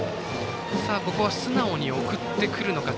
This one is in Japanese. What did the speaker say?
ここは素直に送ってくるのか。